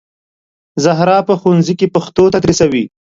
زهرا په ښوونځي کې پښتو تدریسوي